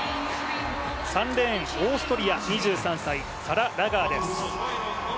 ３レーン、オーストリア、２３歳、サラ・ラガーです。